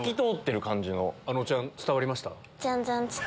あのちゃん伝わりました？